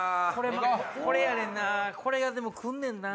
これやねんな！